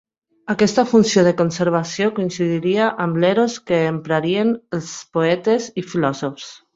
Aquesta funció de conservació coincidiria amb l'eros que emprarien els poetes i filòsofs.